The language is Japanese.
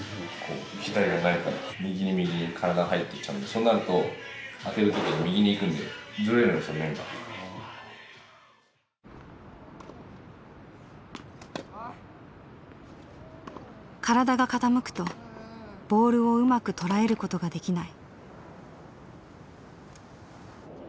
そうなると身体が傾くとボールをうまく捉えることができない。